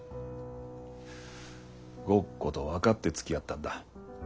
ごっこと分かってつきあったんだ。